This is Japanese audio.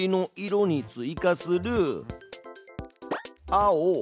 「青」。